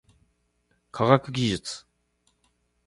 科学技術